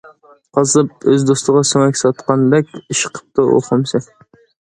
-قاسساپ ئۆز دوستىغا سۆڭەك ساتقاندەك ئىش قىپتۇ، ئۇ خۇمسى.